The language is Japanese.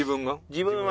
自分は。